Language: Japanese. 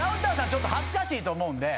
ちょっと恥ずかしいと思うんで。